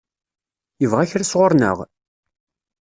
Yebɣa kra sɣur-neɣ?